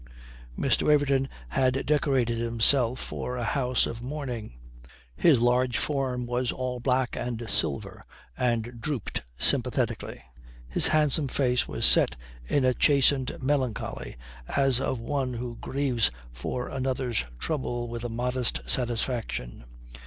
Mr. Waverton had decorated himself for a house of mourning. His large form was all black and silver and drooped sympathetically. His handsome face was set in a chastened melancholy as of one who grieves for another's trouble with a modest satisfaction.